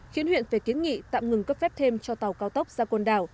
khiến huyện phải kiến nghị tạm ngừng cấp phép thêm cho tàu cao tốc ra côn đảo